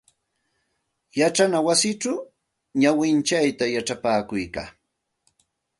Yachana wasichaw nawintsayta yachapakuykaa.